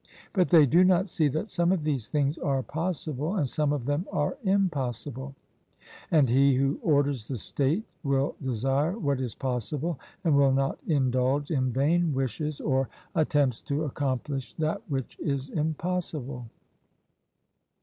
But they do not see that some of these things are possible, and some of them are impossible; and he who orders the state will desire what is possible, and will not indulge in vain wishes or attempts to accomplish that which is impossible.